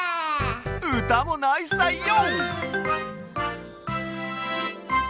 うたもナイスだよ！